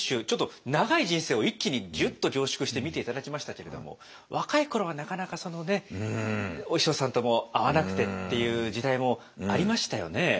ちょっと長い人生を一気にギュッと凝縮して見て頂きましたけれども若いころはなかなかお師匠さんとも合わなくてっていう時代もありましたよね。